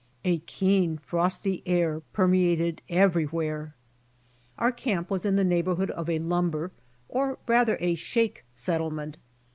A keen, frosty air permeated everywhere. Our camp was in the neighborhood of a lumber, or rather a shake set tlement.